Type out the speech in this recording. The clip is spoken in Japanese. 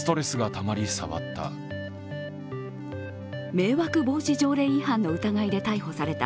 迷惑防止条例違反の疑いで逮捕された